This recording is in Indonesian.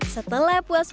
setelah puas berbicara